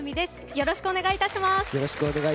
よろしくお願いします。